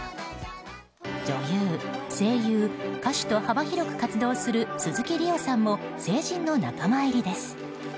女優、声優、歌手と幅広く活躍する鈴木梨央さんも成人の仲間入りです。